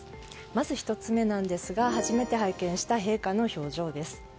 まず１つ目なんですが初めて拝見した陛下の表情です。